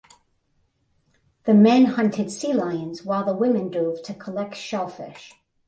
The men hunted sea lions while the women dove to collect shellfish.